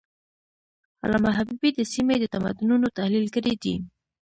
علامه حبيبي د سیمې د تمدنونو تحلیل کړی دی.